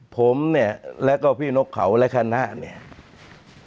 ผมเนี่ยแล้วก็พี่นกเขาและคณะเนี่ย